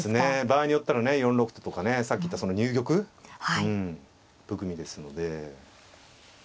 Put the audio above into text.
場合によったらね４六ととかねさっき言ったその入玉含みですので。